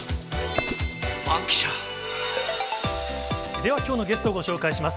では、きょうのゲストをご紹介します。